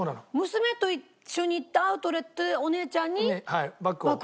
娘と一緒に行ったアウトレットでお姉ちゃんにバッグを買う？